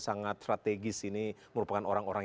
sangat strategis ini merupakan orang orang